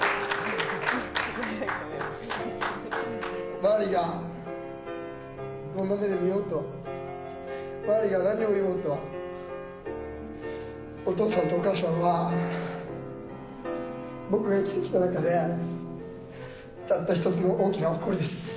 周りがどんな目で見ようと、周りが何を言おうと、お父さんとお母さんは僕が生きてきた中で、たった一つの大きな誇りです。